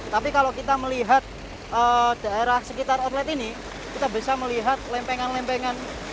tapi kalau kita melihat daerah sekitar outlet ini kita bisa melihat lempengan lempengan